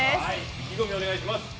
意気込みをお願いします。